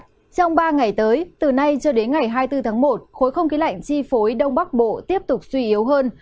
trong ba ngày tới từ nay cho đến ngày hai mươi bốn tháng một khối không khí lạnh chi phối đông bắc bộ tiếp tục suy yếu hơn